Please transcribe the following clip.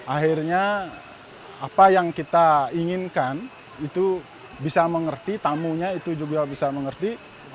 akhirnya apa yang kita inginkan itu bisa mengerti tamunya itu juga bisa mengerti